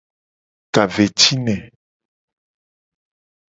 Ka ve ci ne.